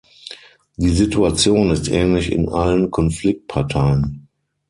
Die Situation ist ähnlich in allen Konfliktparteien.